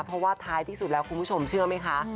เพราะว่าท้ายที่สุดแล้วคุณผู้ชมเชื่อไหมคะ